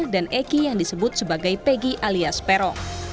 dan eki yang disebut sebagai peggy alias perong